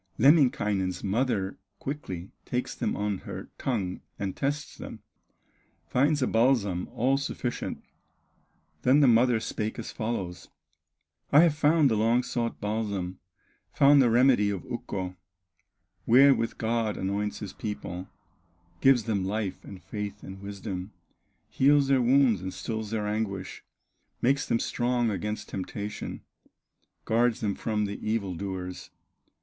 Lemminkainen's mother quickly Takes them on her tongue and tests them, Finds a balsam all sufficient. Then the mother spake as follows: "I have found the long sought balsam, Found the remedy of Ukko, Wherewith God anoints his people, Gives them life, and faith, and wisdom, Heals their wounds and stills their anguish, Makes them strong against temptation, Guards them from the evil doers."